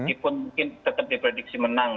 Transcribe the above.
meskipun mungkin tetap diprediksi menang